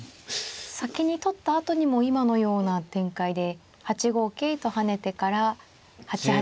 先に取ったあとにも今のような展開で８五桂と跳ねてから８八